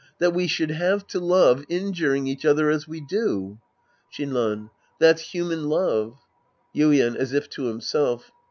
That we should have to love, injuring each other as we do ! Shinran. That's human love. Yuien {as if to himself).